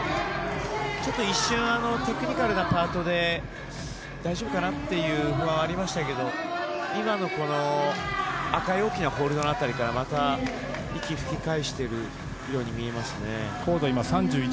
ちょっと一瞬テクニカルなパートで大丈夫かなという不安はありましたけど今のこの赤い大きなホールドの辺りからまた、息を吹き返しているように見えますね。